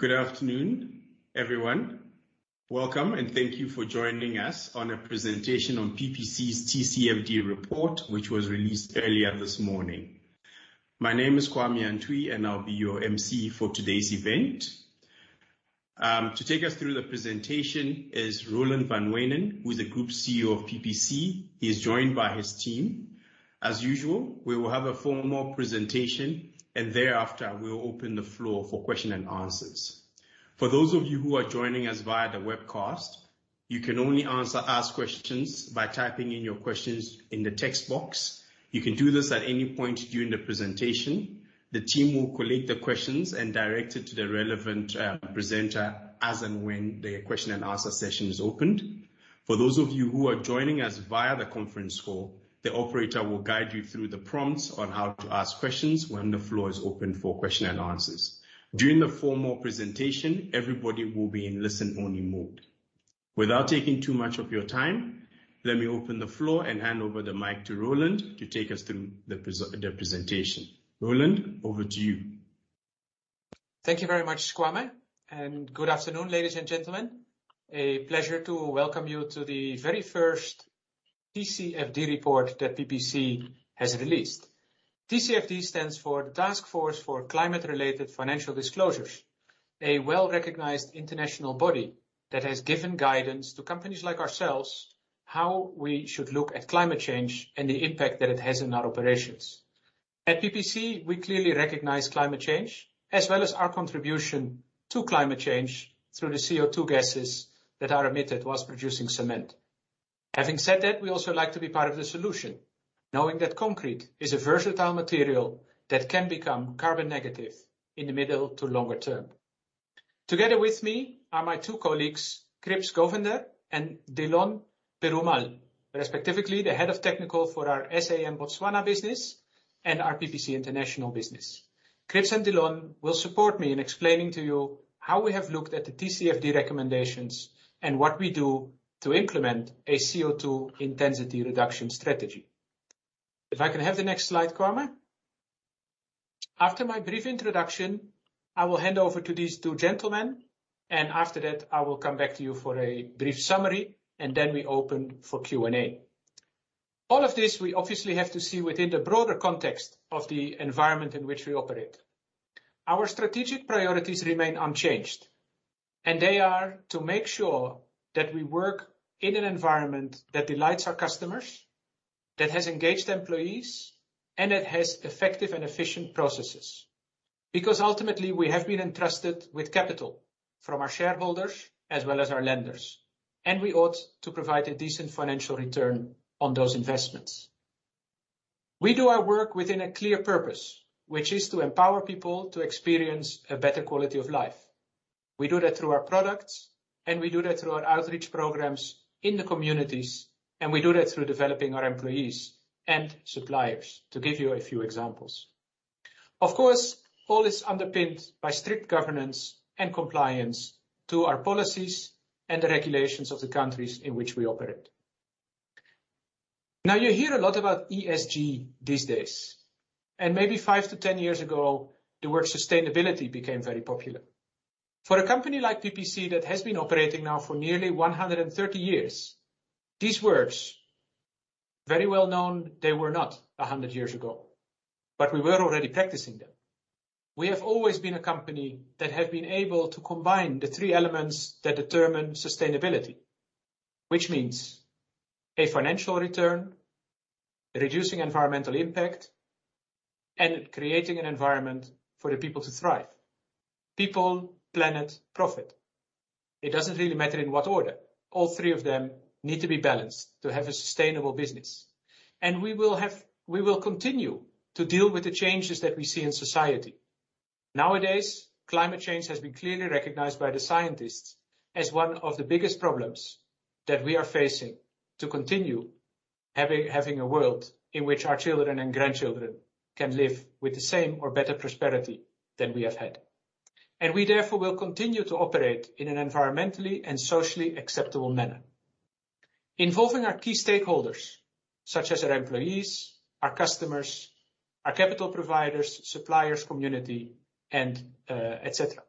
Good afternoon, everyone. Welcome and thank you for joining us on a presentation on PPC's TCFD Report, which was released earlier this morning. My name is Kwame Antwi, and I'll be your MC for today's event. To take us through the presentation is Roland van Wijnen, who is the Group CEO of PPC. He is joined by his team. As usual, we will have a formal presentation and thereafter, we will open the floor for question and answers. For those of you who are joining us via the webcast, you can only ask questions by typing in your questions in the text box. You can do this at any point during the presentation. The team will collect the questions and direct it to the relevant presenter as and when the question and answer session is opened. For those of you who are joining us via the conference call, the operator will guide you through the prompts on how to ask questions when the floor is open for question and answers. During the formal presentation, everybody will be in listen-only mode. Without taking too much of your time, let me open the floor and hand over the mic to Roland to take us through the presentation. Roland, over to you. Thank you very much, Kwame, and good afternoon, ladies and gentlemen. A pleasure to welcome you to the very first TCFD report that PPC has released. TCFD stands for the Task Force on Climate-related Financial Disclosures, a well-recognized international body that has given guidance to companies like ourselves how we should look at climate change and the impact that it has on our operations. At PPC, we clearly recognize climate change as well as our contribution to climate change through the CO2 gases that are emitted while producing cement. Having said that, we also like to be part of the solution, knowing that concrete is a versatile material that can become carbon negative in the medium to longer term. Together with me are my two colleagues, Kribs Govender and Delon Perumal, respectively, the Head of Technical for our SA and Botswana business and our PPC International business. Kribs and Delon will support me in explaining to you how we have looked at the TCFD recommendations and what we do to implement a CO2 intensity reduction strategy. If I can have the next slide, Kwame. After my brief introduction, I will hand over to these two gentlemen, and after that, I will come back to you for a brief summary, and then we open for Q&A. All of this we obviously have to see within the broader context of the environment in which we operate. Our strategic priorities remain unchanged, and they are to make sure that we work in an environment that delights our customers, that has engaged employees, and that has effective and efficient processes. Because ultimately, we have been entrusted with capital from our shareholders as well as our lenders, and we ought to provide a decent financial return on those investments. We do our work within a clear purpose, which is to empower people to experience a better quality of life. We do that through our products, and we do that through our outreach programs in the communities, and we do that through developing our employees and suppliers, to give you a few examples. Of course, all is underpinned by strict governance and compliance to our policies and the regulations of the countries in which we operate. Now, you hear a lot about ESG these days, and maybe 5-10 years ago, the word sustainability became very popular. For a company like PPC that has been operating now for nearly 130 years, these words, very well known, they were not 100 years ago, but we were already practicing them. We have always been a company that have been able to combine the three elements that determine sustainability, which means a financial return, reducing environmental impact, and creating an environment for the people to thrive. People, planet, profit. It doesn't really matter in what order. All three of them need to be balanced to have a sustainable business. We will continue to deal with the changes that we see in society. Nowadays, climate change has been clearly recognized by the scientists as one of the biggest problems that we are facing to continue having a world in which our children and grandchildren can live with the same or better prosperity than we have had. We therefore will continue to operate in an environmentally and socially acceptable manner, involving our key stakeholders such as our employees, our customers, our capital providers, suppliers, community, and et cetera.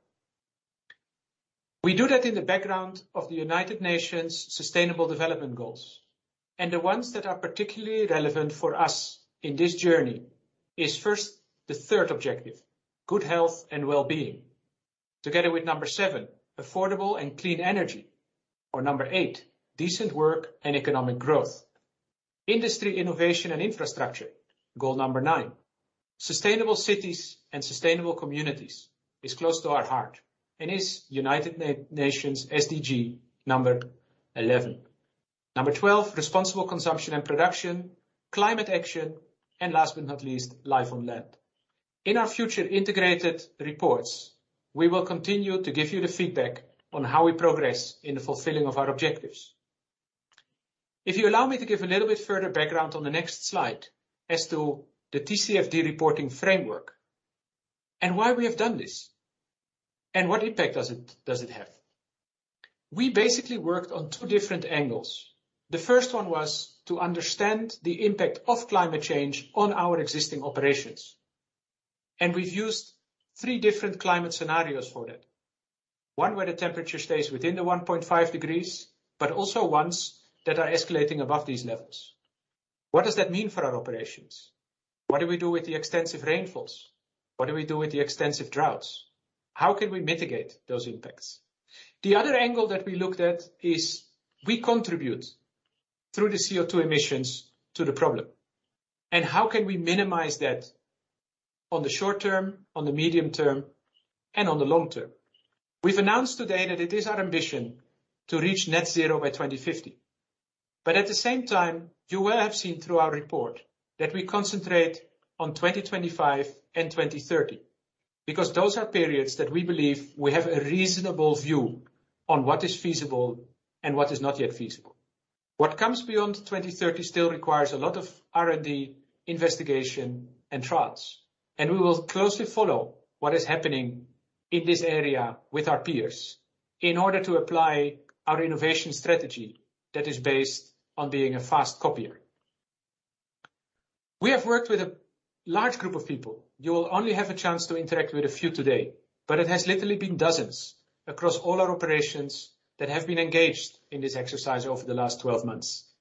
We do that in the background of the United Nations Sustainable Development Goals, and the ones that are particularly relevant for us in this journey is first, the third objective, good health and well-being. Together with number seven, affordable and clean energy. Or number eight, decent work and economic growth. Industry, innovation, and infrastructure, goal number nine. Sustainable cities and sustainable communities is close to our heart and is United Nations SDG number 11. Number 12, responsible consumption and production, climate action, and last but not least, life on land. In our future integrated reports, we will continue to give you the feedback on how we progress in the fulfilling of our objectives. If you allow me to give a little bit further background on the next slide as to the TCFD reporting framework and why we have done this, and what impact does it have. We basically worked on two different angles. The first one was to understand the impact of climate change on our existing operations. We've used three different climate scenarios for that. One where the temperature stays within the 1.5 degrees, but also ones that are escalating above these levels. What does that mean for our operations? What do we do with the extensive rainfalls? What do we do with the extensive droughts? How can we mitigate those impacts? The other angle that we looked at is we contribute through the CO2 emissions to the problem, and how can we minimize that on the short term, on the medium term, and on the long term? We've announced today that it is our ambition to reach net zero by 2050. At the same time, you will have seen through our report that we concentrate on 2025 and 2030 because those are periods that we believe we have a reasonable view on what is feasible and what is not yet feasible. What comes beyond 2030 still requires a lot of R&D investigation and trials, and we will closely follow what is happening in this area with our peers in order to apply our innovation strategy that is based on being a fast copier. We have worked with a large group of people. You will only have a chance to interact with a few today, but it has literally been dozens across all our operations that have been engaged in this exercise over the last 12 months,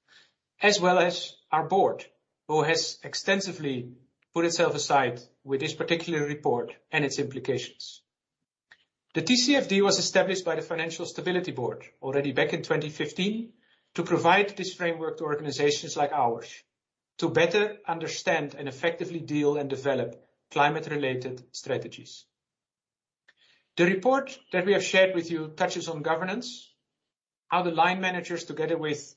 as well as our board, who has extensively put itself aside with this particular report and its implications. The TCFD was established by the Financial Stability Board already back in 2015 to provide this framework to organizations like ours to better understand and effectively deal and develop climate-related strategies. The report that we have shared with you touches on governance, how the line managers, together with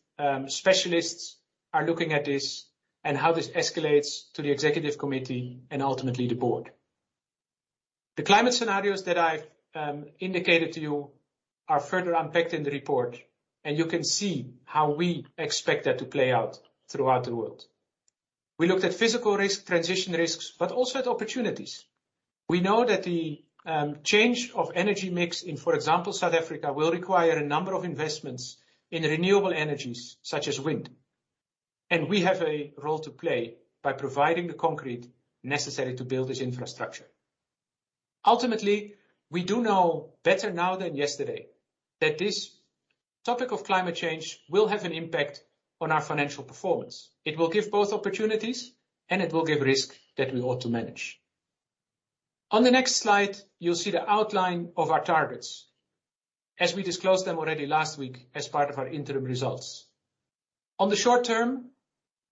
specialists, are looking at this and how this escalates to the executive committee and ultimately the board. The climate scenarios that I've indicated to you are further unpacked in the report, and you can see how we expect that to play out throughout the world. We looked at physical risk, transition risks, but also at opportunities. We know that the change of energy mix in, for example, South Africa, will require a number of investments in renewable energies such as wind, and we have a role to play by providing the concrete necessary to build this infrastructure. Ultimately, we do know better now than yesterday that this topic of climate change will have an impact on our financial performance. It will give both opportunities and it will give risk that we ought to manage. On the next slide, you'll see the outline of our targets as we disclosed them already last week as part of our interim results. On the short term,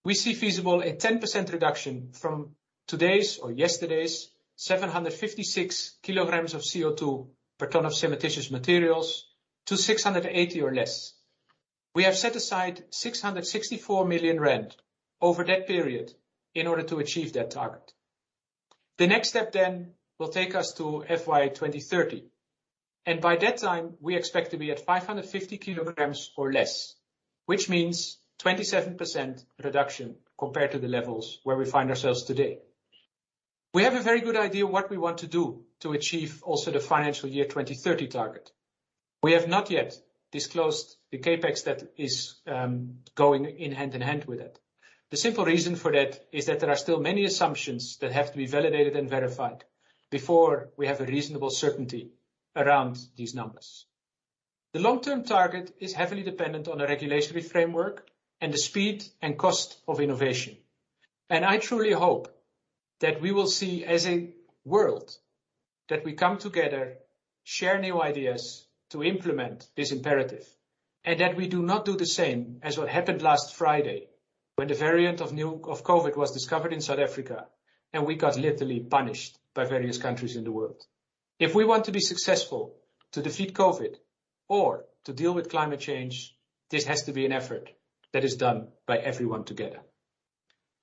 we see feasible a 10% reduction from today's or yesterday's 756 kilograms of CO2 per ton of cementitious materials to 680 or less. We have set aside 664 million rand over that period in order to achieve that target. The next step will take us to FY 2030, and by that time we expect to be at 550 kilograms or less, which means 27% reduction compared to the levels where we find ourselves today. We have a very good idea what we want to do to achieve also the financial year 2030 target. We have not yet disclosed the CapEx that is going hand in hand with it. The simple reason for that is that there are still many assumptions that have to be validated and verified before we have a reasonable certainty around these numbers. The long-term target is heavily dependent on the regulatory framework and the speed and cost of innovation. I truly hope that we will see as a world that we come together, share new ideas to implement this imperative, and that we do not do the same as what happened last Friday when the new variant of Covid was discovered in South Africa and we got literally punished by various countries in the world. If we want to be successful to defeat Covid or to deal with climate change, this has to be an effort that is done by everyone together.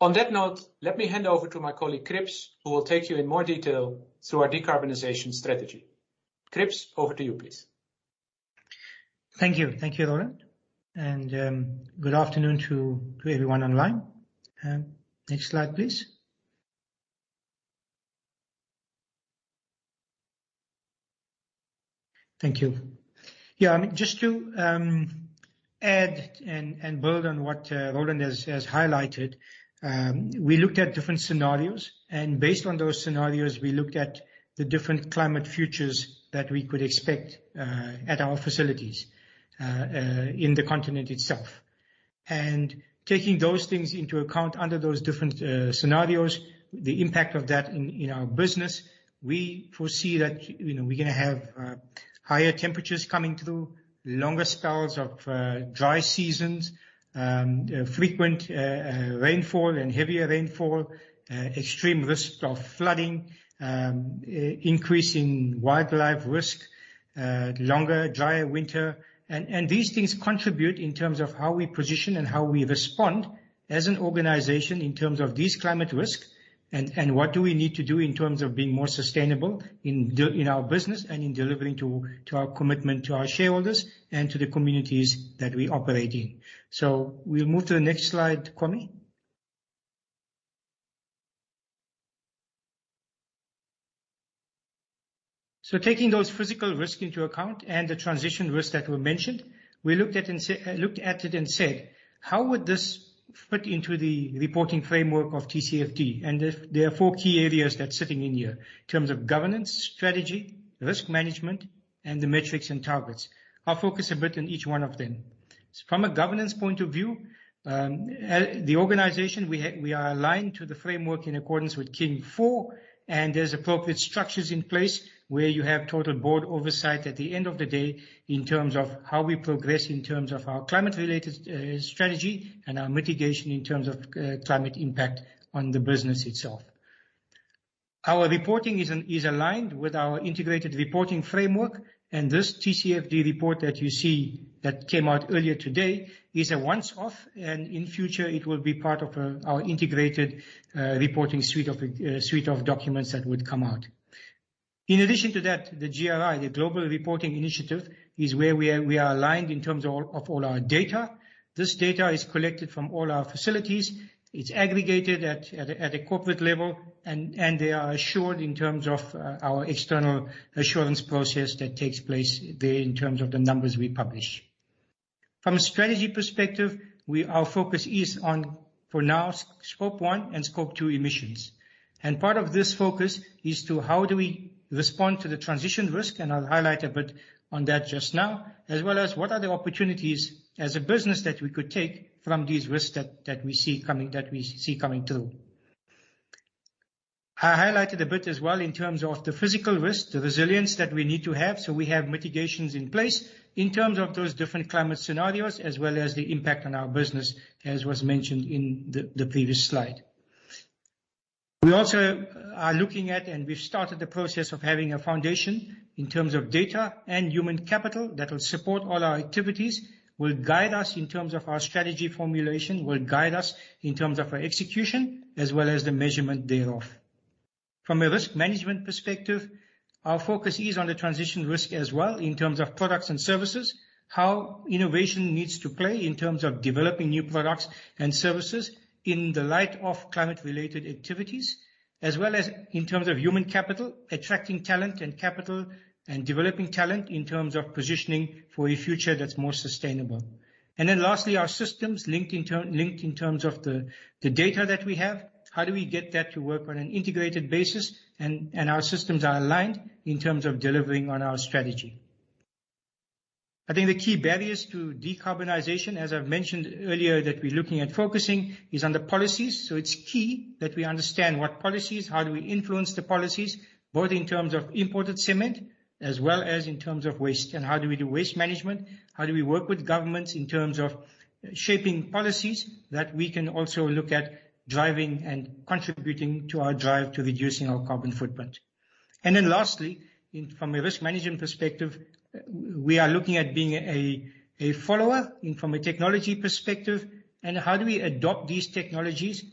On that note, let me hand over to my colleague, Kribs, who will take you in more detail through our decarbonization strategy. Kribs, over to you, please. Thank you. Thank you, Roland. Good afternoon to everyone online. Next slide, please. Thank you. Yeah, I mean, just to add and build on what Roland has highlighted, we looked at different scenarios, and based on those scenarios, we looked at the different climate futures that we could expect at our facilities in the continent itself. Taking those things into account under those different scenarios, the impact of that in our business, we foresee that, you know, we're gonna have higher temperatures coming through, longer spells of dry seasons, frequent rainfall and heavier rainfall, extreme risk of flooding, increase in wildlife risk, longer, drier winter. These things contribute in terms of how we position and how we respond as an organization in terms of these climate risks and what do we need to do in terms of being more sustainable in our business and in delivering to our commitment to our shareholders and to the communities that we operate in. We'll move to the next slide, Kwame. Taking those physical risk into account and the transition risks that were mentioned, we looked at it and said, "How would this fit into the reporting framework of TCFD?" There are four key areas that's sitting in here in terms of governance, strategy, risk management and the metrics and targets. I'll focus a bit on each one of them. From a governance point of view, the organization we are aligned to the framework in accordance with King IV, and there's appropriate structures in place where you have total board oversight at the end of the day in terms of how we progress, in terms of our climate related strategy and our mitigation in terms of climate impact on the business itself. Our reporting is aligned with our integrated reporting framework, and this TCFD report that you see that came out earlier today is a once off, and in future it will be part of our integrated reporting suite of suite of documents that would come out. In addition to that, the GRI, the Global Reporting Initiative, is where we are aligned in terms of all our data. This data is collected from all our facilities. It's aggregated at a corporate level and they are assured in terms of our external assurance process that takes place there in terms of the numbers we publish. From a strategy perspective, our focus is on, for now, Scope one and Scope two emissions. Part of this focus is to how do we respond to the transition risk, and I'll highlight a bit on that just now, as well as what are the opportunities as a business that we could take from these risks that we see coming through. I highlighted a bit as well in terms of the physical risk, the resilience that we need to have, so we have mitigations in place in terms of those different climate scenarios as well as the impact on our business, as was mentioned in the previous slide. We also are looking at, and we've started the process of having a foundation in terms of data and human capital that will support all our activities, will guide us in terms of our strategy formulation, will guide us in terms of our execution as well as the measurement thereof. From a risk management perspective, our focus is on the transition risk as well in terms of products and services, how innovation needs to play in terms of developing new products and services in the light of climate-related activities, as well as in terms of human capital, attracting talent and capital, and developing talent in terms of positioning for a future that's more sustainable. Then lastly, our systems linked in terms of the data that we have, how do we get that to work on an integrated basis and our systems are aligned in terms of delivering on our strategy. I think the key barriers to decarbonization, as I've mentioned earlier, that we're looking at focusing is on the policies. It's key that we understand what policies, how do we influence the policies, both in terms of imported cement as well as in terms of waste. How do we do waste management? How do we work with governments in terms of shaping policies that we can also look at driving and contributing to our drive to reducing our carbon footprint? And lastly, from a risk management perspective, we are looking at being a follower and from a technology perspective, and how do we adopt these technologies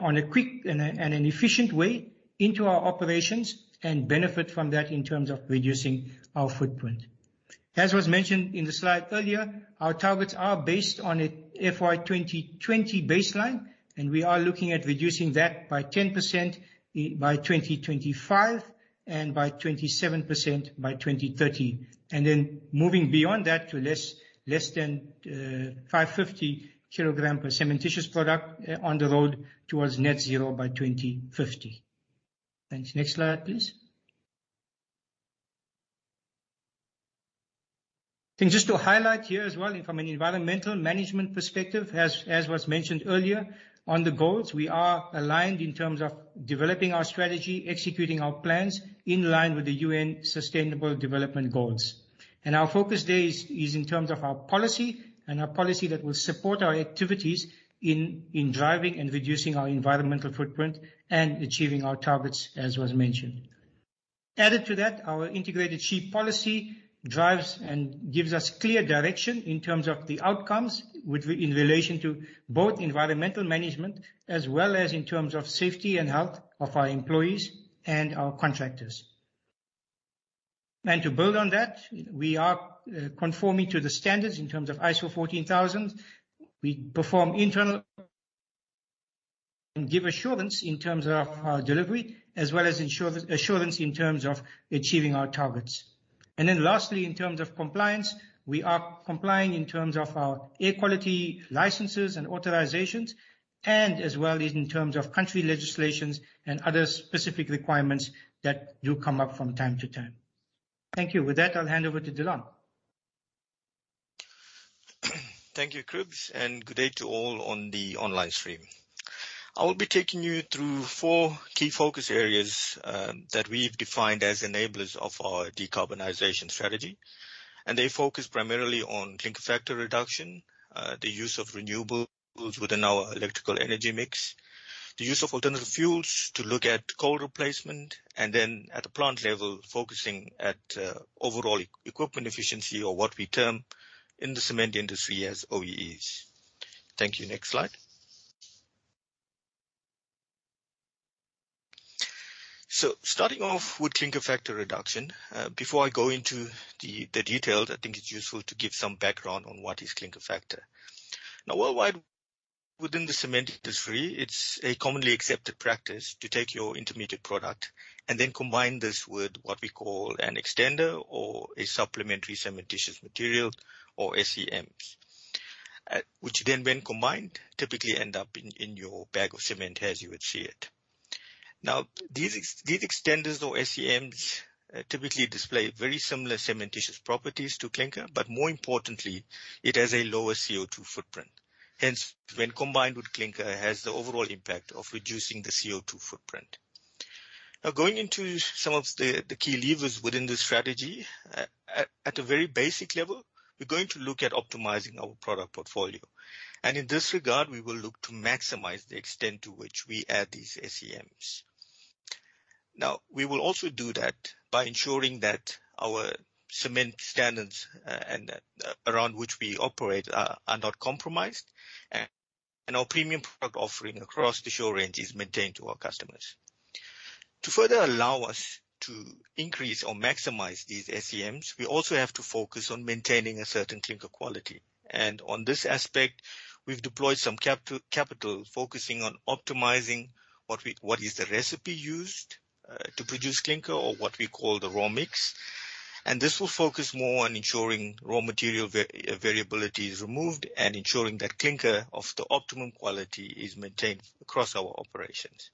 on a quick and an efficient way into our operations and benefit from that in terms of reducing our footprint. As was mentioned in the slide earlier, our targets are based on a FY 2020 baseline, and we are looking at reducing that by 10% by 2025 and by 27% by 2030. Then moving beyond that to less than 550 kg per cementitious product, on the road towards net zero by 2050. Thanks. Next slide, please. I think just to highlight here as well from an environmental management perspective, as was mentioned earlier, on the goals, we are aligned in terms of developing our strategy, executing our plans in line with the UN Sustainable Development Goals. Our focus there is in terms of our policy that will support our activities in driving and reducing our environmental footprint and achieving our targets, as was mentioned. Added to that, our integrated SHE policy drives and gives us clear direction in terms of the outcomes in relation to both environmental management as well as in terms of safety and health of our employees and our contractors. To build on that, we are conforming to the standards in terms of ISO 14001. We perform internal and give assurance in terms of our delivery as well as ensure assurance in terms of achieving our targets. Lastly, in terms of compliance, we are complying in terms of our air quality licenses and authorizations and as well as in terms of country legislations and other specific requirements that do come up from time to time. Thank you. With that, I'll hand over to Delon. Thank you, Kribs, and good day to all on the online stream. I will be taking you through four key focus areas that we've defined as enablers of our decarbonization strategy, and they focus primarily on clinker factor reduction, the use of renewables within our electrical energy mix, the use of alternative fuels to look at coal replacement, and then at a plant level, focusing at overall equipment efficiency or what we term in the cement industry as OEEs. Thank you. Next slide. Starting off with clinker factor reduction. Before I go into the details, I think it's useful to give some background on what is clinker factor. Now, worldwide, within the cement industry, it's a commonly accepted practice to take your intermediate product and then combine this with what we call an extender or a supplementary cementitious material or SCMs. Which then, when combined, typically end up in your bag of cement as you would see it. Now, these extenders or SCMs typically display very similar cementitious properties to clinker, but more importantly, it has a lower CO2 footprint. Hence, when combined with clinker, has the overall impact of reducing the CO2 footprint. Now, going into some of the key levers within this strategy. At a very basic level, we're going to look at optimizing our product portfolio. In this regard, we will look to maximize the extent to which we add these SCMs. Now, we will also do that by ensuring that our cement standards and around which we operate are not compromised and our premium product offering across the whole range is maintained to our customers. To further allow us to increase or maximize these SCMs, we also have to focus on maintaining a certain clinker quality. On this aspect, we've deployed some capital, focusing on optimizing what is the recipe used to produce clinker or what we call the raw mix, and this will focus more on ensuring raw material variability is removed and ensuring that clinker of the optimum quality is maintained across our operations.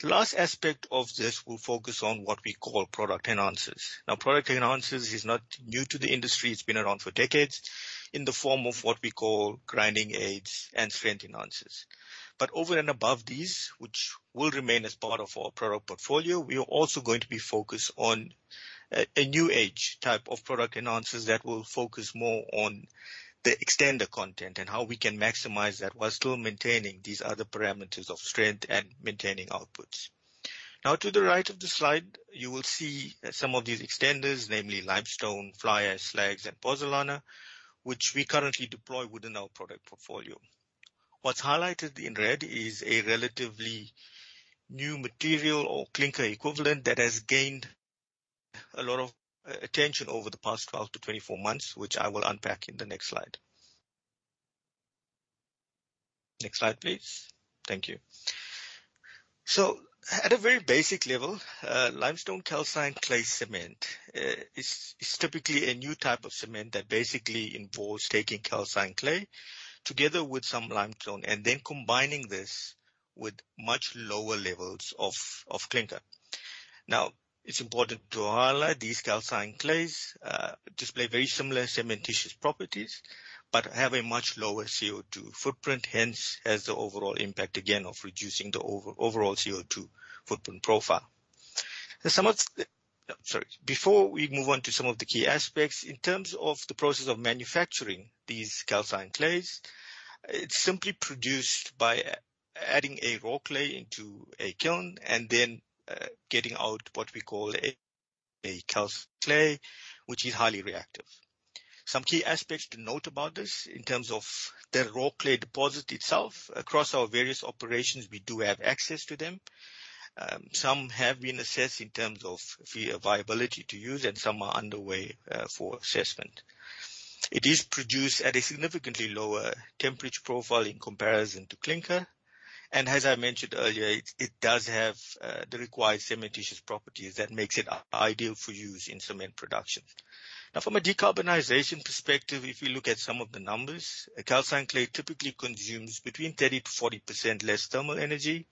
The last aspect of this will focus on what we call product enhancers. Now, product enhancers is not new to the industry. It's been around for decades in the form of what we call grinding aids and strength enhancers. Over and above these, which will remain as part of our product portfolio, we are also going to be focused on a new age type of product enhancers that will focus more on the extender content and how we can maximize that while still maintaining these other parameters of strength and maintaining outputs. Now, to the right of the slide, you will see some of these extenders, namely limestone, fly ash, slags, and pozzolana, which we currently deploy within our product portfolio. What's highlighted in red is a relatively new material or clinker equivalent that has gained a lot of attention over the past 12-24 months, which I will unpack in the next slide. Next slide, please. Thank you. At a very basic level, limestone calcined clay cement is typically a new type of cement that basically involves taking calcined clay together with some limestone and then combining this with much lower levels of clinker. Now, it's important to highlight these calcined clays display very similar cementitious properties, but have a much lower CO2 footprint, hence has the overall impact again of reducing the overall CO2 footprint profile. Before we move on to some of the key aspects, in terms of the process of manufacturing these calcined clays, it's simply produced by adding a raw clay into a kiln and then getting out what we call a calcined clay, which is highly reactive. Some key aspects to note about this in terms of the raw clay deposit itself, across our various operations, we do have access to them. Some have been assessed in terms of their viability to use, and some are underway for assessment. It is produced at a significantly lower temperature profile in comparison to clinker, and as I mentioned earlier, it does have the required cementitious properties that makes it ideal for use in cement production. Now, from a decarbonization perspective, if we look at some of the numbers, a calcined clay typically consumes between 30%-40% less thermal energy,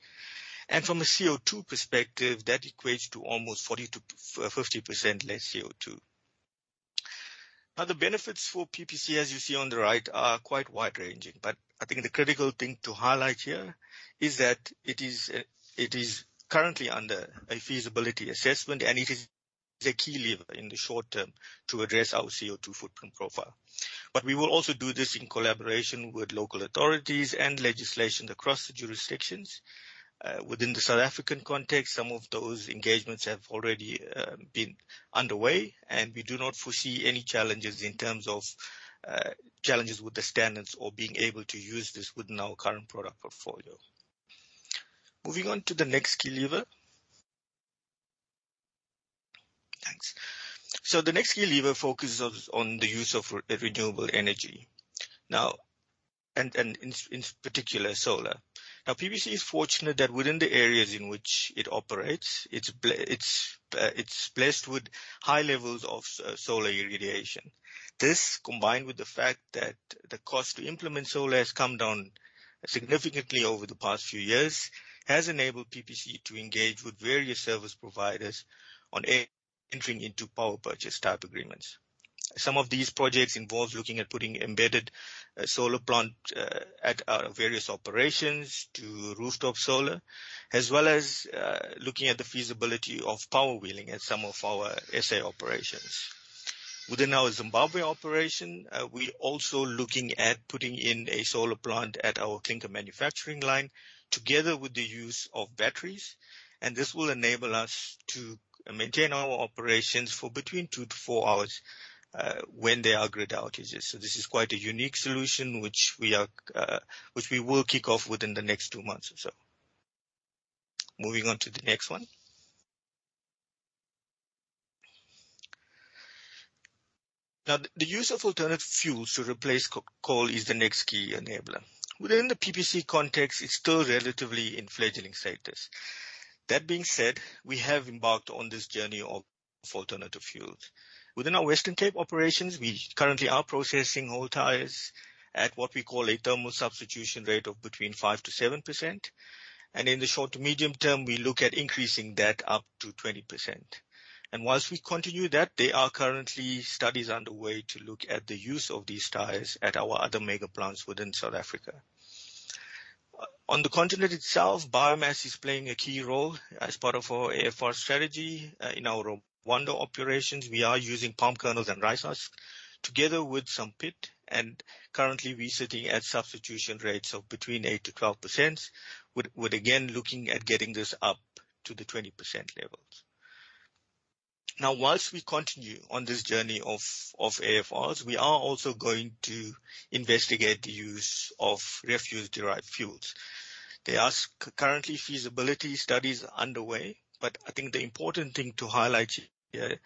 and from a CO2 perspective, that equates to almost 40%-50% less CO2. Now, the benefits for PPC, as you see on the right, are quite wide-ranging, but I think the critical thing to highlight here is that it is currently under a feasibility assessment, and it is a key lever in the short term to address our CO2 footprint profile. But we will also do this in collaboration with local authorities and legislations across the jurisdictions. Within the South African context, some of those engagements have already been underway, and we do not foresee any challenges in terms of challenges with the standards or being able to use this within our current product portfolio. Moving on to the next key lever. Thanks. The next key lever focuses on the use of renewable energy. In particular solar. Now, PPC is fortunate that within the areas in which it operates, it's blessed with high levels of solar irradiation. This, combined with the fact that the cost to implement solar has come down significantly over the past few years, has enabled PPC to engage with various service providers on entering into power purchase type agreements. Some of these projects involve looking at putting embedded solar plant at our various operations to rooftop solar, as well as looking at the feasibility of power wheeling at some of our SA operations. Within our Zimbabwe operation, we're also looking at putting in a solar plant at our clinker manufacturing line together with the use of batteries, and this will enable us to maintain our operations for between two-four hours when there are grid outages. This is quite a unique solution which we will kick off within the next two months or so. Moving on to the next one. Now, the use of alternative fuels to replace coal is the next key enabler. Within the PPC context, it's still relatively in fledgling status. That being said, we have embarked on this journey of alternative fuels. Within our Western Cape operations, we currently are processing whole tires at what we call a thermal substitution rate of between 5%-7%, and in the short to medium term, we look at increasing that up to 20%. Whilst we continue that, there are currently studies underway to look at the use of these tires at our other mega plants within South Africa. On the continent itself, biomass is playing a key role as part of our AFR strategy. In our Rwanda operations, we are using palm kernels and rice husk together with some peat, and currently we're sitting at substitution rates of between 8%-12% with again looking at getting this up to the 20% levels. Now, while we continue on this journey of AFRs, we are also going to investigate the use of refuse-derived fuels. There are currently feasibility studies underway, but I think the important thing to highlight here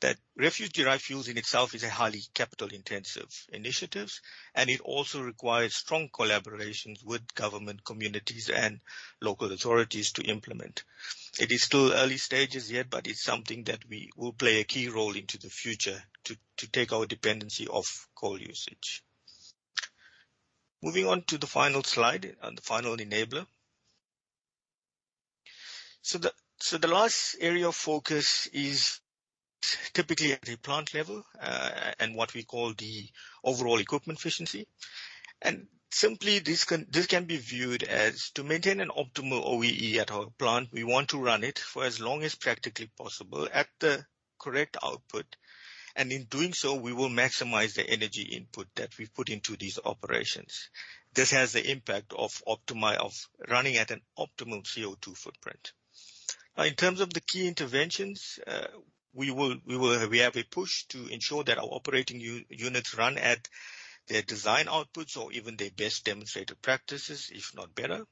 that refuse-derived fuels in itself is a highly capital-intensive initiatives, and it also requires strong collaborations with government, communities, and local authorities to implement. It is still early stages yet, but it's something that we will play a key role into the future to take our dependency off coal usage. Moving on to the final slide and the final enabler. The last area of focus is typically at the plant level, and what we call the overall equipment efficiency. Simply this can be viewed as to maintain an optimal OEE at our plant, we want to run it for as long as practically possible at the correct output, and in doing so, we will maximize the energy input that we put into these operations. This has the impact of running at an optimum CO2 footprint. Now, in terms of the key interventions, we have a push to ensure that our operating units run at their design outputs or even their best demonstrated practices, if not better.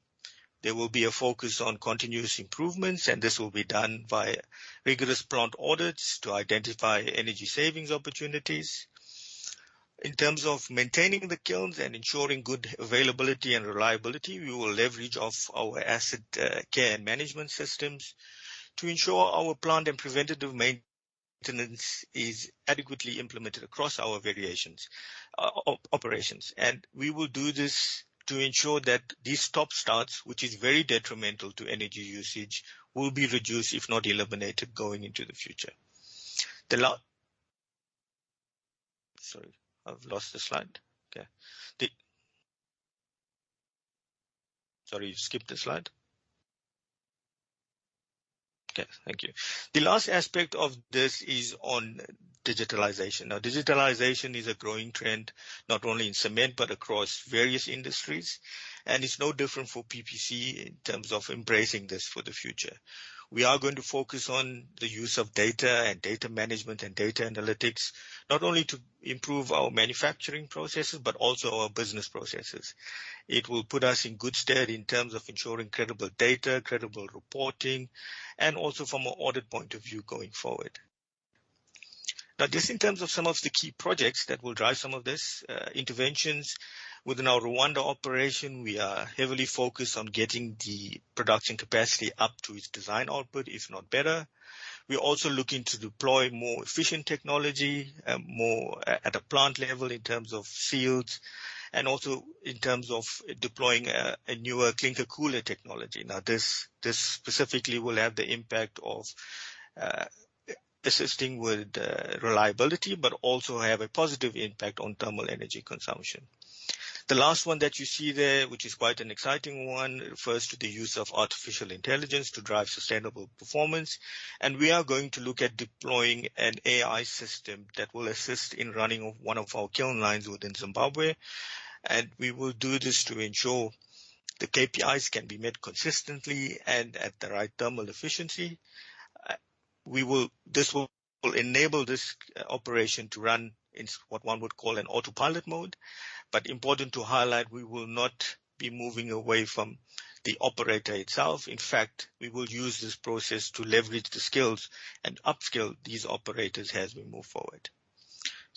There will be a focus on continuous improvements, and this will be done via rigorous plant audits to identify energy savings opportunities. In terms of maintaining the kilns and ensuring good availability and reliability, we will leverage our asset care and management systems to ensure our plant and preventative maintenance is adequately implemented across our various operations. We will do this to ensure that these stop starts, which is very detrimental to energy usage, will be reduced if not eliminated going into the future. The last aspect of this is on digitalization. Digitalization is a growing trend not only in cement but across various industries, and it's no different for PPC in terms of embracing this for the future. We are going to focus on the use of data and data management and data analytics, not only to improve our manufacturing processes, but also our business processes. It will put us in good stead in terms of ensuring credible data, credible reporting, and also from an audit point of view going forward. Now, just in terms of some of the key projects that will drive some of this, interventions within our Rwanda operation, we are heavily focused on getting the production capacity up to its design output, if not better. We're also looking to deploy more efficient technology, more at a plant level in terms of fuels, and also in terms of deploying a newer clinker cooler technology. Now, this specifically will have the impact of assisting with reliability, but also have a positive impact on thermal energy consumption. The last one that you see there, which is quite an exciting one, refers to the use of artificial intelligence to drive sustainable performance, and we are going to look at deploying an AI system that will assist in running one of our kiln lines within Zimbabwe. We will do this to ensure the KPIs can be met consistently and at the right thermal efficiency. This will enable this operation to run in what one would call an autopilot mode, but important to highlight, we will not be moving away from the operator itself. In fact, we will use this process to leverage the skills and upskill these operators as we move forward.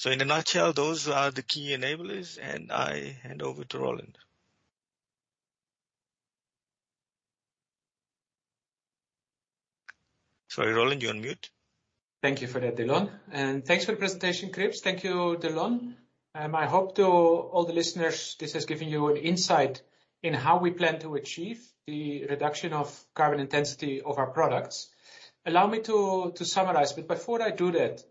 In a nutshell, those are the key enablers, and I hand over to Roland. Sorry, Roland, you're on mute. Thank you for that, Delon. Thanks for the presentation, Kribs. Thank you, Delon. I hope that all the listeners this has given you an insight into how we plan to achieve the reduction of carbon intensity of our products. Allow me to summarize. Before I do that,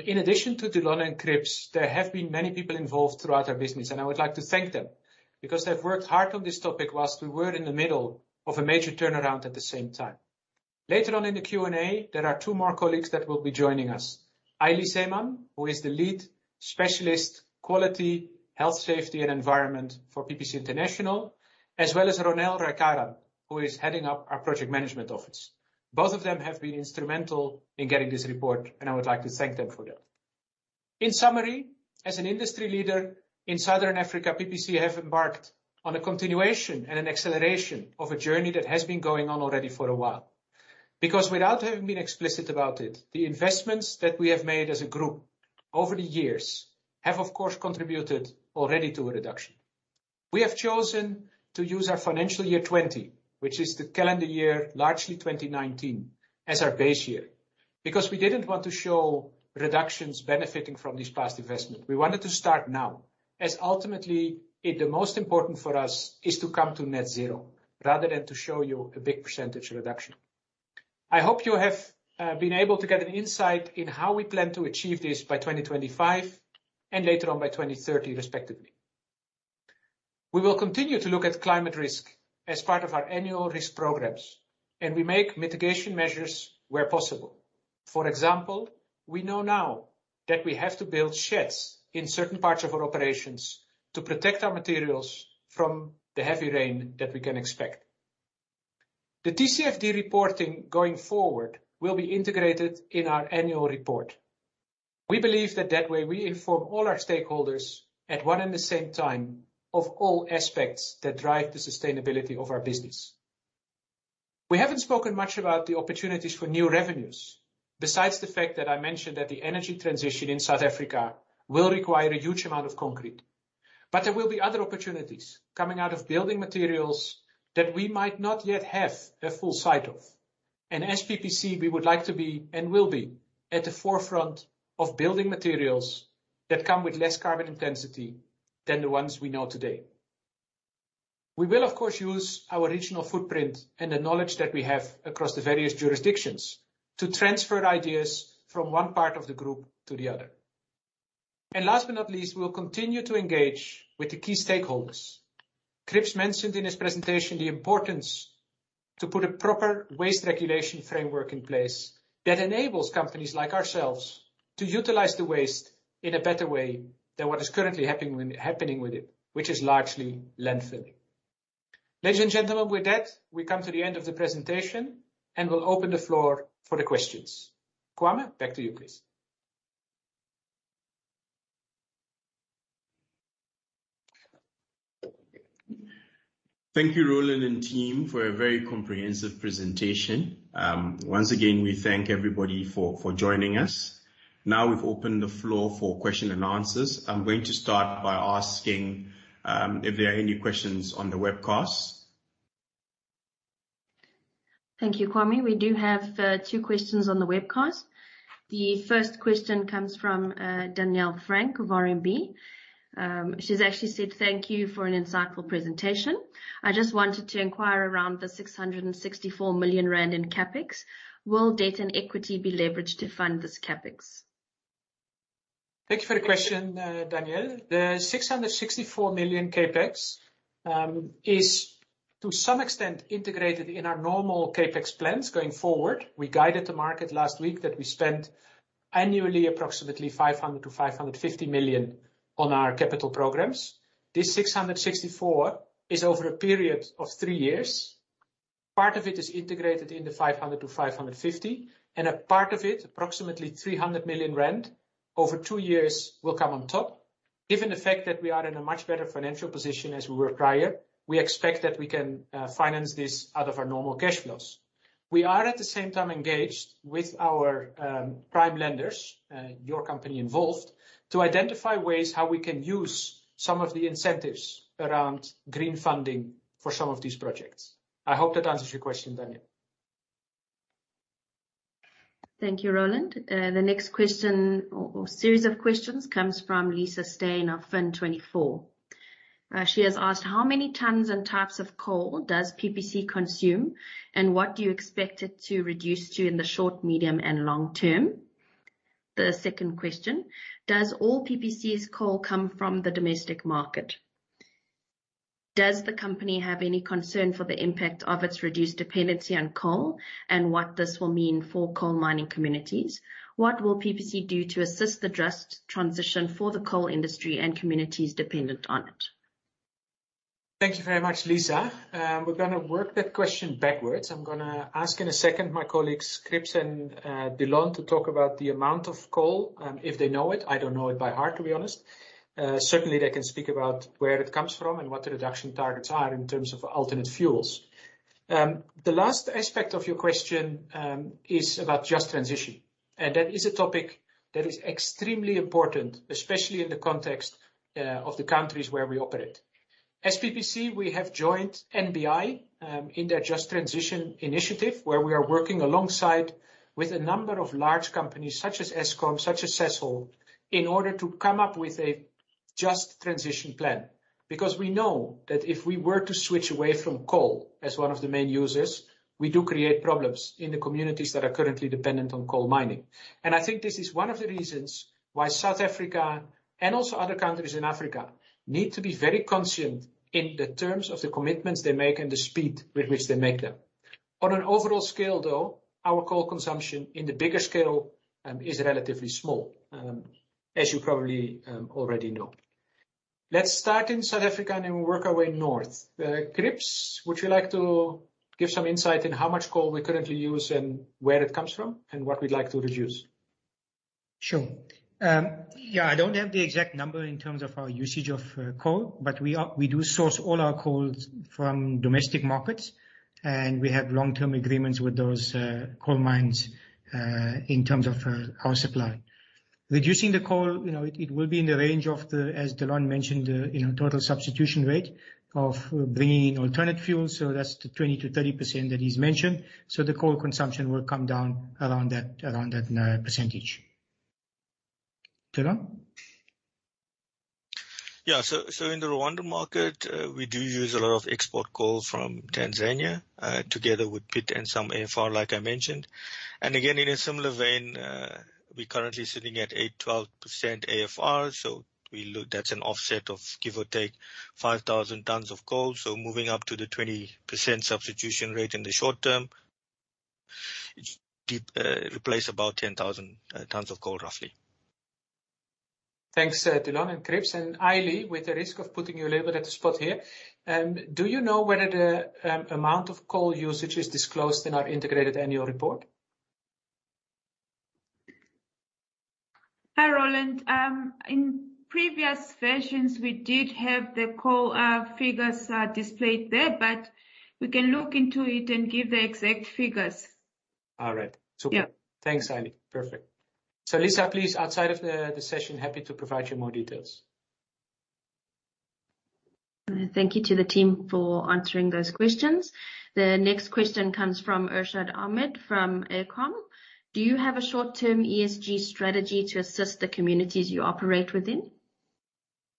in addition to Delon and Kribs, there have been many people involved throughout our business, and I would like to thank them because they've worked hard on this topic while we were in the middle of a major turnaround at the same time. Later on in the Q&A, there are two more colleagues that will be joining us, Aili Zeeman, who is the Lead Specialist, Quality, Health, Safety and Environment for PPC International, as well as Ronel Rakaran, who is heading up our Project Management Office. Both of them have been instrumental in getting this report, and I would like to thank them for that. In summary, as an industry leader in Southern Africa, PPC have embarked on a continuation and an acceleration of a journey that has been going on already for a while. Without having been explicit about it, the investments that we have made as a group over the years have, of course, contributed already to a reduction. We have chosen to use our financial year 2020, which is the calendar year, largely 2019, as our base year, because we didn't want to show reductions benefiting from this past investment. We wanted to start now, as ultimately, the most important for us is to come to net zero rather than to show you a big percentage reduction. I hope you have been able to get an insight in how we plan to achieve this by 2025 and later on by 2030 respectively. We will continue to look at climate risk as part of our annual risk programs, and we make mitigation measures where possible. For example, we know now that we have to build sheds in certain parts of our operations to protect our materials from the heavy rain that we can expect. The TCFD reporting going forward will be integrated in our annual report. We believe that that way we inform all our stakeholders at one and the same time of all aspects that drive the sustainability of our business. We haven't spoken much about the opportunities for new revenues, besides the fact that I mentioned that the energy transition in South Africa will require a huge amount of concrete. There will be other opportunities coming out of building materials that we might not yet have a full sight of. As PPC, we would like to be, and will be, at the forefront of building materials that come with less carbon intensity than the ones we know today. We will, of course, use our regional footprint and the knowledge that we have across the various jurisdictions to transfer ideas from one part of the group to the other. Last but not least, we will continue to engage with the key stakeholders. Kribs mentioned in his presentation the importance to put a proper waste regulation framework in place that enables companies like ourselves to utilize the waste in a better way than what is currently happening with it, which is largely landfilling. Ladies and gentlemen, with that, we come to the end of the presentation, and we'll open the floor for the questions. Kwame, back to you, please. Thank you, Roland and team, for a very comprehensive presentation. Once again, we thank everybody for joining us. Now we've opened the floor for question and answers. I'm going to start by asking, if there are any questions on the webcast. Thank you, Kwame. We do have two questions on the webcast. The first question comes from Danielle Frank of RMB. She's actually said thank you for an insightful presentation. I just wanted to inquire around the 664 million rand in CapEx. Will debt and equity be leveraged to fund this CapEx? Thank you for the question, Danielle. The 664 million CapEx is to some extent integrated in our normal CapEx plans going forward. We guided the market last week that we spend annually approximately 500 million-550 million on our capital programs. This 664 million is over a period of three years. Part of it is integrated in the 500 million-550 million, and a part of it, approximately 300 million rand over two years, will come on top. Given the fact that we are in a much better financial position than we were prior, we expect that we can finance this out of our normal cash flows. We are at the same time engaged with our prime lenders, your company involved, to identify ways how we can use some of the incentives around green funding for some of these projects. I hope that answers your question, Danielle. Thank you, Roland. The next question or series of questions comes from Lisa Steyn of Fin24. She has asked, how many tons and types of coal does PPC consume, and what do you expect it to reduce to in the short, medium, and long term? The second question; Does all PPC's coal come from the domestic market? Does the company have any concern for the impact of its reduced dependency on coal and what this will mean for coal mining communities? What will PPC do to assist the just transition for the coal industry and communities dependent on it? Thank you very much, Lisa. We're gonna work that question backwards. I'm gonna ask in a second my colleagues, Kribs and Delon, to talk about the amount of coal, if they know it. I don't know it by heart, to be honest. Certainly, they can speak about where it comes from and what the reduction targets are in terms of alternative fuels. The last aspect of your question is about just transition, and that is a topic that is extremely important, especially in the context of the countries where we operate. As PPC, we have joined NBI in their just transition initiative, where we are working alongside with a number of large companies such as Eskom, such as Sasol, in order to come up with a just transition plan. Because we know that if we were to switch away from coal as one of the main users, we do create problems in the communities that are currently dependent on coal mining. I think this is one of the reasons why South Africa and also other countries in Africa need to be very concerned in terms of the commitments they make and the speed with which they make them. On an overall scale, though, our coal consumption in the bigger scale is relatively small, as you probably already know. Let's start in South Africa, and then we'll work our way north. Kribs, would you like to give some insight in how much coal we currently use and where it comes from and what we'd like to reduce? Sure. Yeah, I don't have the exact number in terms of our usage of coal, but we do source all our coals from domestic markets, and we have long-term agreements with those coal mines in terms of our supply. Reducing the coal, you know, it will be in the range of, as Delon mentioned, you know, total substitution rate of bringing in alternative fuels, so that's the 20%-30% that he's mentioned. So the coal consumption will come down around that percentage. Delon? In the Rwanda market, we do use a lot of export coal from Tanzania, together with peat and some AFR, like I mentioned. In a similar vein, we're currently sitting at 8%-12% AFR. That's an offset of give or take 5,000 tons of coal. Moving up to the 20% substitution rate in the short term, replace about 10,000 tons of coal, roughly. Thanks, Delon and Kribs. Aili, with the risk of putting you a little bit on the spot here, do you know whether the amount of coal usage is disclosed in our integrated annual report? Hi, Roland. In previous versions we did have the coal figures displayed there, but we can look into it and give the exact figures. All right. Super. Yeah. Thanks, Aili. Perfect. Lisa, please, outside of the session, happy to provide you more details. Thank you to the team for answering those questions. The next question comes from Irshad Ahmed from Arqaam. Do you have a short-term ESG strategy to assist the communities you operate within?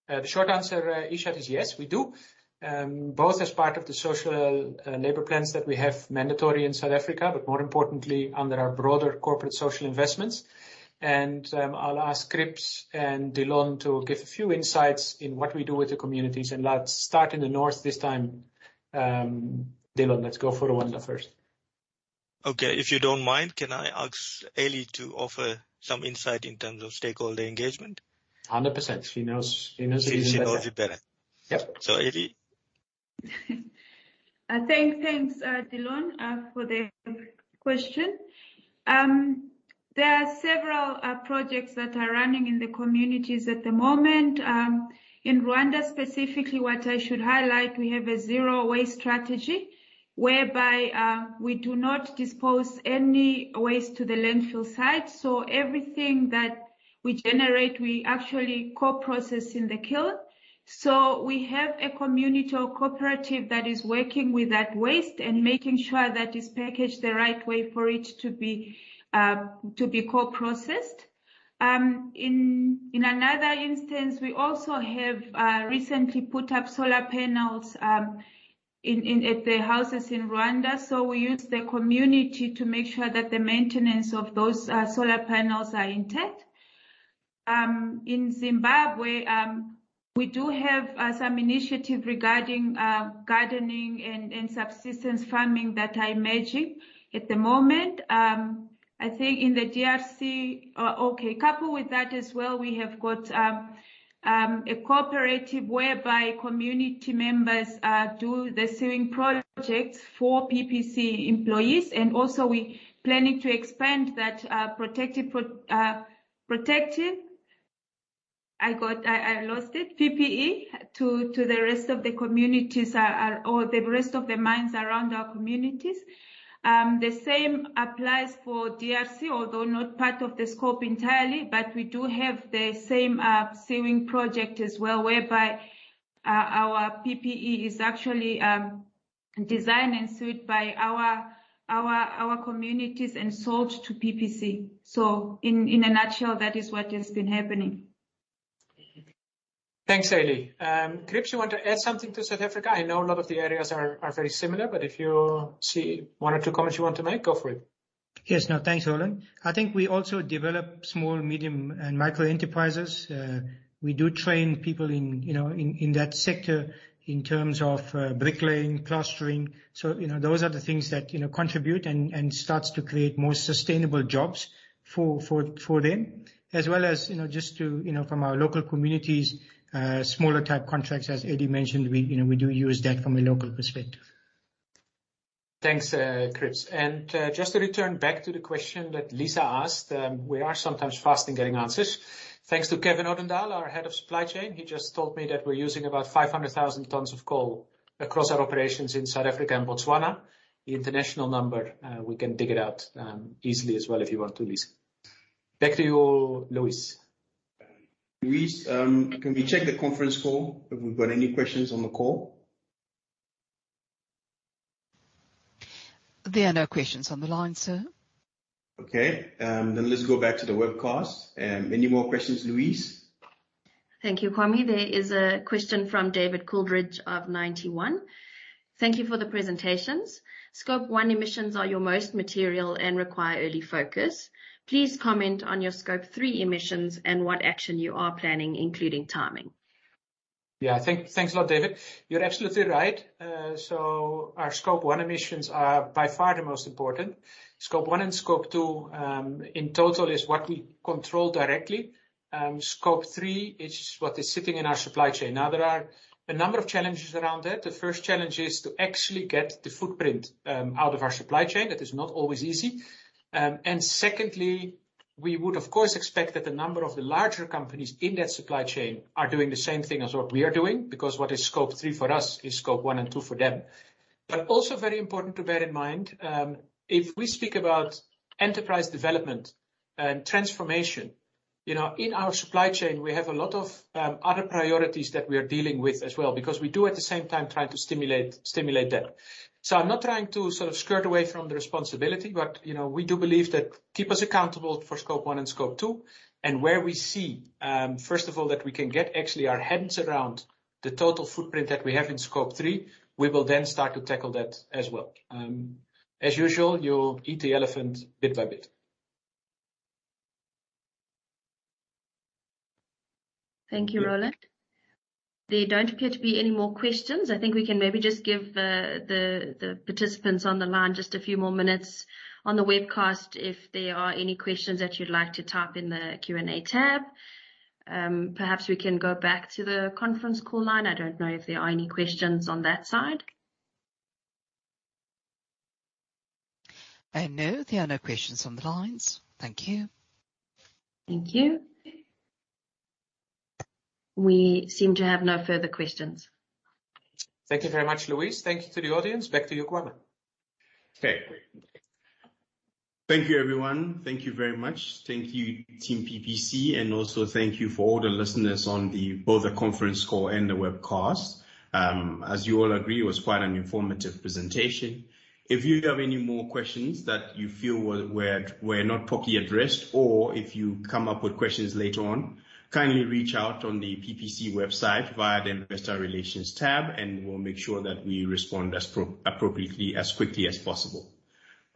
The short answer, Irshad, is yes, we do. Both as part of the social labor plans that we have mandatory in South Africa, but more importantly, under our broader corporate social investments. I'll ask Kribs and Delon to give a few insights into what we do with the communities. Let's start in the north this time. Delon, let's go for Rwanda first. Okay. If you don't mind, can I ask Aili to offer some insight in terms of stakeholder engagement? 100%. She knows a bit better. She knows it better. Yep. Aili. Thanks, Delon, for the question. There are several projects that are running in the communities at the moment. In Rwanda specifically, what I should highlight, we have a zero-waste strategy whereby we do not dispose any waste to the landfill site. Everything that we generate, we actually co-process in the kiln. We have a community or cooperative that is working with that waste and making sure that it's packaged the right way for it to be co-processed. In another instance, we also have recently put up solar panels at the houses in Rwanda, so we use the community to make sure that the maintenance of those solar panels are intact. In Zimbabwe, we do have some initiative regarding gardening and subsistence farming that are emerging at the moment. Okay, coupled with that as well, we have got a cooperative whereby community members do the sewing projects for PPC employees, and also we're planning to expand that PPE to the rest of the communities or the rest of the mines around our communities. The same applies for DRC, although not part of the scope entirely, but we do have the same sewing project as well, whereby our communities and sold to PPC. In a nutshell, that is what has been happening. Thanks, Aili. Kribs, you want to add something to South Africa? I know a lot of the areas are very similar, but if you see one or two comments you want to make, go for it. Yes. No, thanks, Roland. I think we also develop small, medium, and micro enterprises. We do train people in, you know, that sector in terms of bricklaying, plastering. You know, those are the things that, you know, contribute and starts to create more sustainable jobs for them. As well as, you know, just to, you know, from our local communities, smaller type contracts, as Aili mentioned, we, you know, we do use that from a local perspective. Thanks, Kribs. Just to return back to the question that Lisa asked, we are sometimes fast in getting answers. Thanks to Kevin Odendaal, our Head of Supply Chain. He just told me that we're using about 500,000 tons of coal across our operations in South Africa and Botswana. The international number, we can dig it out, easily as well, if you want to, Lisa. Back to you, Louise. Louise, can we check the conference call if we've got any questions on the call? There are no questions on the line, sir. Okay. Let's go back to the webcast. Any more questions, Louise? Thank you, Kwame. There is a question from David Coldridge of Ninety One. Thank you for the presentations. Scope one emissions are your most material and require early focus. Please comment on your Scope three emissions and what action you are planning, including timing. Yeah. Thanks a lot, David. You're absolutely right. Our Scope one emissions are by far the most important. Scope one and Scope two in total is what we control directly. Scope three is what is sitting in our supply chain. Now, there are a number of challenges around that. The first challenge is to actually get the footprint out of our supply chain. That is not always easy. Secondly, we would of course expect that the number of the larger companies in that supply chain are doing the same thing as what we are doing, because what is Scope three for us is Scope one and two for them. Also very important to bear in mind, if we speak about enterprise development and transformation, you know, in our supply chain, we have a lot of other priorities that we are dealing with as well, because we do at the same time trying to stimulate that. I'm not trying to sort of skirt away from the responsibility, but, you know, we do believe that keep us accountable for Scope one and Scope two and where we see, first of all, that we can get actually our heads around the total footprint that we have in Scope three, we will then start to tackle that as well. As usual, you eat the elephant bit by bit. Thank you, Roland. There don't appear to be any more questions. I think we can maybe just give the participants on the line just a few more minutes on the webcast if there are any questions that you'd like to type in the Q&A tab. Perhaps we can go back to the conference call line. I don't know if there are any questions on that side. No. There are no questions on the lines. Thank you. Thank you. We seem to have no further questions. Thank you very much, Louise. Thank you to the audience. Back to you, Kwame. Okay, great. Thank you, everyone. Thank you very much. Thank you, team PPC, and also thank you for all the listeners on the both the conference call and the webcast. As you all agree, it was quite an informative presentation. If you have any more questions that you feel were not properly addressed, or if you come up with questions later on, kindly reach out on the PPC website via the Investor Relations tab, and we'll make sure that we respond appropriately as quickly as possible.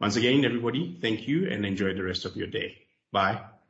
Once again, everybody, thank you and enjoy the rest of your day. Bye.